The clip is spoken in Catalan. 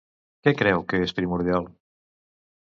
Què creu que és primordial?